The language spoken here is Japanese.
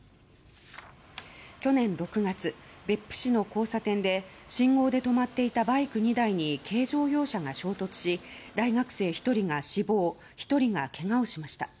去年６月、別府市の交差点で信号で止まっていたバイク２台に軽乗用車が衝突し大学生１人が死亡１人がけがをしました。